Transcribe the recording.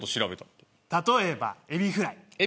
例えばエビフライ。